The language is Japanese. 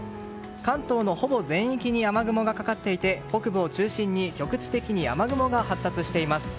関東のほぼ全域に雨雲がかかっていて北部を中心に局地的に雨雲が発達しています。